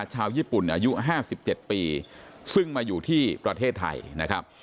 ชาวญี่ปุ่นอายุ๕๗ปีซึ่งมาอยู่ที่ประเทศไทยนะครับ